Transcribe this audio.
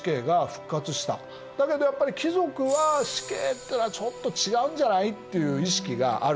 だけどやっぱり貴族は「死刑っていうのはちょっと違うんじゃない？」っていう意識がある。